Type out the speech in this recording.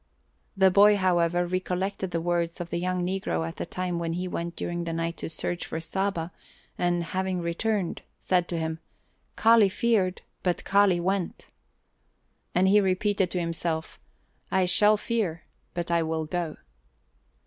The boy, however, recollected the words of the young negro at the time when he went during the night to search for Saba and, having returned, said to him, "Kali feared but Kali went." And he repeated to himself, "I shall fear, but I will go."